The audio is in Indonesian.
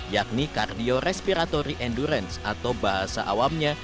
yakni kardio respiratory endurance atau bahasa awamnya